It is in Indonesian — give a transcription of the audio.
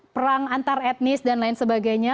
perang antar etnis dan lain sebagainya